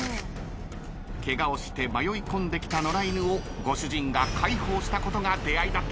ケガをして迷いこんできた野良犬をご主人が介抱したことが出会いだったといいます。